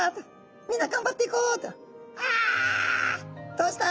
どうした？